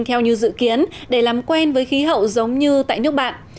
theo như dự kiến để làm quen với khí hậu giống như tại nước bạn